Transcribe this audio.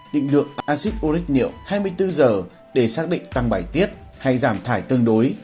định lượng acid uric niệu hai mươi bốn h để xác định tăng bài tiết hay giảm thải tương đối